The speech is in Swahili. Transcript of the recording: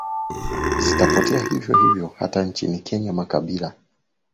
zitapotea hivyo hivyo hata nchini kenya makabila